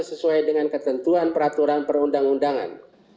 sesuai dengan ketentuan peraturan perundang undangan